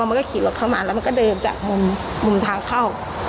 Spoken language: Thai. มันก็ขี่รถเข้ามาแล้วมันก็เดินจากมุมทางเข้า